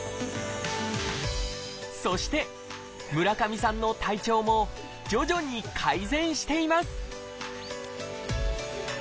そして村上さんの体調も徐々に改善しています！